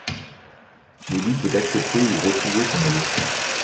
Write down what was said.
L'élu peut accepter ou refuser son élection.